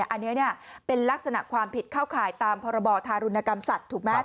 อันนี้เป็นลักษณะความผิดเข้าข่ายตามพรบธารุณกรรมสัตว์ถูกไหม